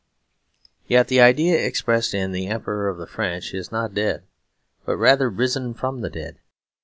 Yet the idea expressed in "The Emperor of the French" is not dead, but rather risen from the dead.